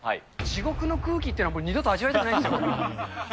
地獄の空気というのは二度と味わいたくないんですよ。